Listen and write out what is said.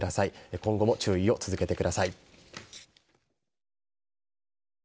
今後も注意を続けてください。